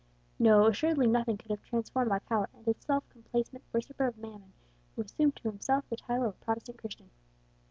No; assuredly nothing could have transformed Alcala into the self complacent worshipper of Mammon, who assumed to himself the title of a Protestant Christian.